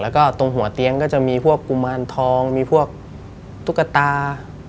แล้วก็ตรงหัวเตียงก็จะมีพวกกุมารทองมีพวกตุ๊กตา